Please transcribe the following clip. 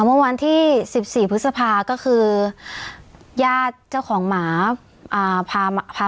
เมื่อวันที่สิบสี่พฤษภาก็คือญาติเจ้าของหมาอ่าพามาพา